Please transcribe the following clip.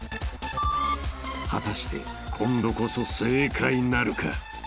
［果たして今度こそ正解なるか？］